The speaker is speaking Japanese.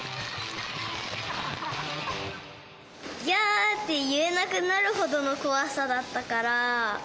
ギャーって言えなくなるほどのこわさだったから。